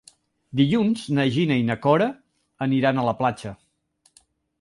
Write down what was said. Dilluns na Gina i na Cora aniran a la platja.